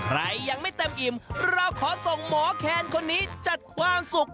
ใครยังไม่เต็มอิ่มเราขอส่งหมอแคนคนนี้จัดความสุข